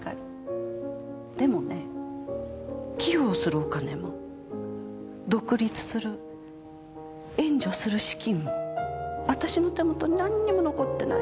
でもね寄付をするお金も独立する援助する資金も私の手元に何にも残ってない。